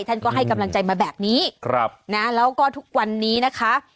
ท่านก็ให้กำลังใจมาแบบนี้ครับนะแล้วก็ทุกวันนี้นะคะ